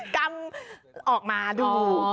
กรรมออกมาดู